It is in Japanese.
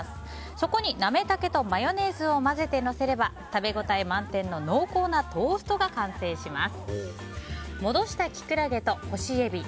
そこに、ナメタケとマヨネーズを混ぜてのせれば食べ応え満点の濃厚なトーストが完成します。